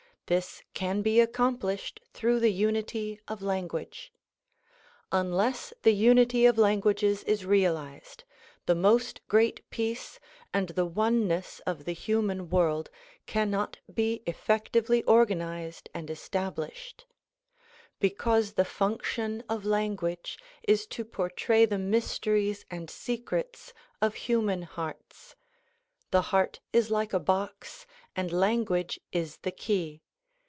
This can be accomplished through the unity of language. Unless the unity of languages is realized, the "Most Great Peace" and the oneness of the human world cannot be effectively organized and established; because the function of language is to portray the mysteries and secrets of human hearts. The heart is like a box and language is the key.